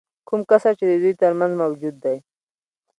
کوم کسر چې د دوی ترمنځ موجود دی